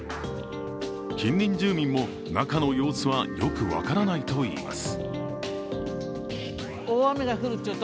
近隣住民も中の様子はよく分からないといいます。